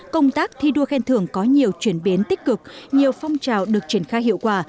công tác thi đua khen thưởng có nhiều chuyển biến tích cực nhiều phong trào được triển khai hiệu quả